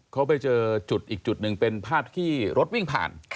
เขาไปเจอจุดอีกจุดหนึ่งเป็นภาพที่รถวิ่งผ่าน